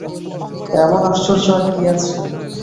এমন আশ্চর্য আর কী আছে।